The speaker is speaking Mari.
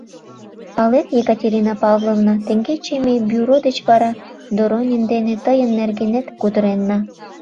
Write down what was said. — Палет, Екатерина Павловна, теҥгече ме бюро деч вара Доронин дене тыйын нергенет кутыренна.